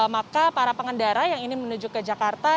maka para pengendara yang ingin menuju ke jakarta